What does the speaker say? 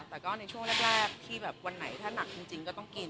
แต่ก็ในช่วงแรกที่แบบวันไหนถ้าหนักจริงก็ต้องกิน